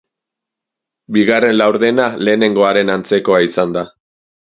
Bigarren laurdena, lehenegoaren antzekoa izan da.